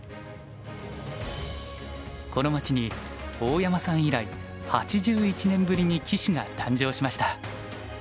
この町に大山さん以来８１年ぶりに棋士が誕生しました。